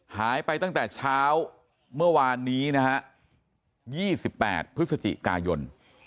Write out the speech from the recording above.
หายไปตั้งแต่เช้าเมื่อวานนี้นะฮะ๒๘พฤศจิกายน